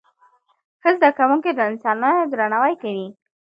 ښه زده کوونکي د انسانانو درناوی کوي.